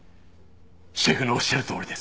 シェフのおっしゃるとおりです。